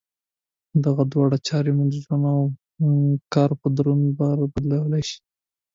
دغه دواړه چارې مو ژوند او کار په دروند بار بدلولای شي.